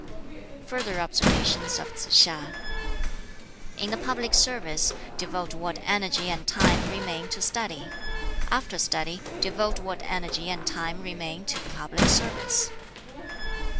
Further observations of Tsz hiŠ: "In the public service devote what energy and time remain to study. After study devote what energy and time remain to the public service.